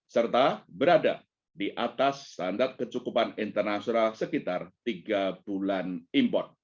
serta berada di atas standar kecukupan internasional sekitar tiga bulan import